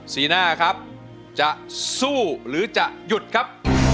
สีหน้าครับจะสู้หรือจะหยุดครับ